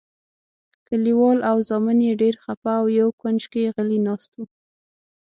کلیوال او زامن یې ډېر خپه او یو کونج کې غلي ناست وو.